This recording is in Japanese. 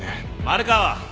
丸川。